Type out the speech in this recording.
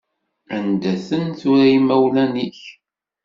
Anda-ten tura yimawlan-ik?